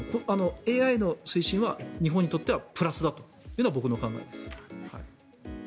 ＡＩの推進は日本にとってはプラスだというのが僕の考えです。